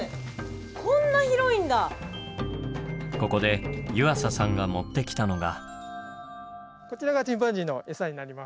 ここで湯浅さんが持ってきたのが。